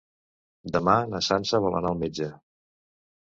Demà na Sança vol anar al metge.